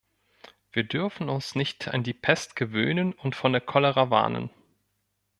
Wir dürfen uns nicht an die Pest gewöhnen und vor der Cholera warnen.